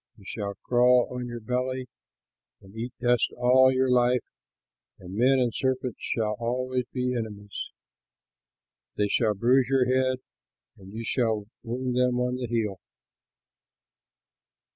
You shall crawl on your belly and eat dust all your life, and men and serpents shall always be enemies. They shall bruise your head, and you shall wound them on the heel."